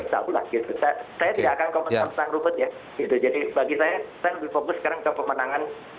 saya tidak akan komentar tentang ruhut ya jadi bagi saya saya lebih fokus sekarang ke pemenangan